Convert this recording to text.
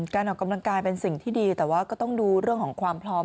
การออกกำลังกายเป็นสิ่งที่ดีแต่ว่าก็ต้องดูเรื่องของความพร้อม